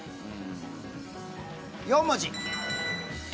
４文字。